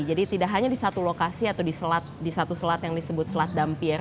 jadi tidak hanya di satu lokasi atau di satu selat yang disebut selat dampir